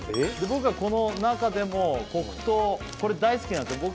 僕はこの中でも黒糖これ大好きなんですよ